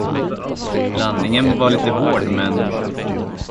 Landningen var lite hård, men.